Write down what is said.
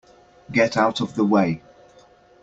Get out of the way!